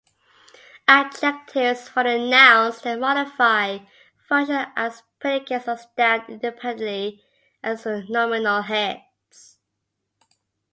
Adjectives follow nouns they modify, function as predicates, or stand independently as nominal heads.